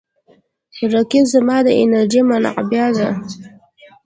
رقیب زما د انرژۍ منبع دی